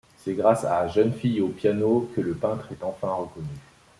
C'est grâce à Jeunes filles au piano que le peintre est enfin reconnu.